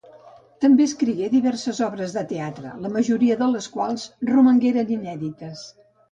També escrigué diverses obres de teatre, la majoria de les quals romangueren inèdites.